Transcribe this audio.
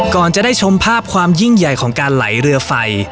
ก่อนจะได้ชมภาพความยิ่งใหญ่ของการไหลเรือไฟ